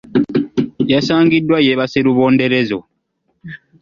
Yasangiddwa yeebase lubonderezo.